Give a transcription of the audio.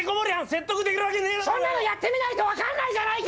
そんなのやってみないと分かんないじゃないか！